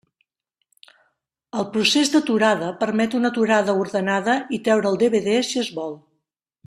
El procés d'aturada permet una aturada ordenada i treure el DVD si es vol.